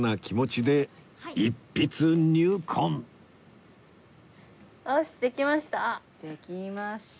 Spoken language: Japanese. できました。